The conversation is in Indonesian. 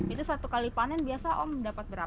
itu satu kali panen biasa om dapat berapa